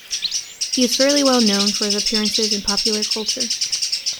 He is fairly well known for his appearances in popular culture.